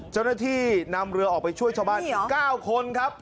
เจ้าหน้าที่นำเรือออกไปช่วยชาวบ้าน๙คนครับ